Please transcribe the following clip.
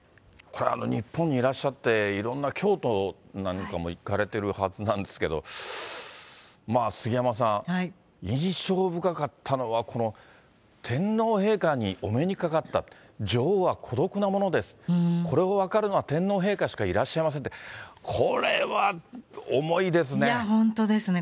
これ、日本にいらっしゃって、いろんな、京都なんかも行かれてるはずなんですけど、杉山さん、印象深かったのはこの、天皇陛下にお目にかかった、女王は孤独なものです、これを分かるのは天皇陛下しかいらっしゃいませんって、これは重いや、本当ですね。